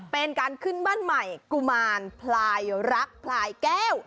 เป็นการขึ้นบ้านใหม่กุมารพลายรักพลายแก้ว